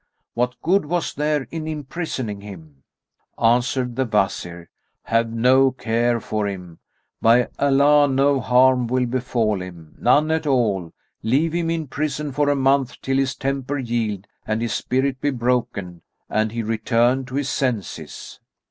What good was there in imprisoning him?" Answered the Wazir, "Have no care for him. By Allah, no harm will befal him! None at all! Leave him in prison for a month till his temper yield and his spirit be broken and he return to his senses."